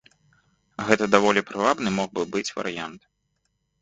Гэта даволі прывабны мог бы быць варыянт.